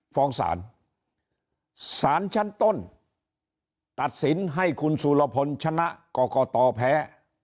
ฟ้องศาลศาลชั้นต้นตัดสินให้คุณสุรพลชนะกรกตแพ้